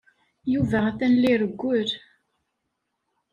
Yuba atan la irewwel.